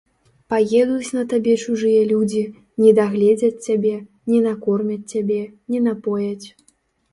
Паедуць на табе чужыя людзі, не дагледзяць цябе, не накормяць цябе, не напояць.